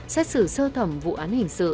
xét xử sơ thẩm vụ án hình sự